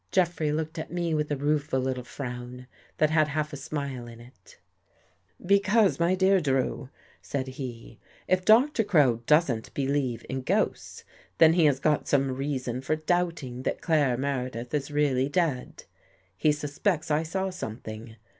Jeffrey looked at me with a rueful little frown that had half a smile in it. " Because, my dear Drew," said he, " if Doctor Crow doesn't believe in ghosts, then he has got some reason for doubting that Claire Meredith is really dead. He suspects I saw something.